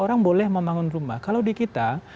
orang boleh membangun rumah kalau di kita